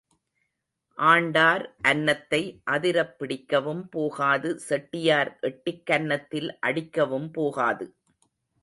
ஆண்டார் அன்னத்தை அதிரப் பிடிக்கவும் போகாது செட்டியார் எட்டிக் கன்னத்தில் அடிக்கவும் போகாது.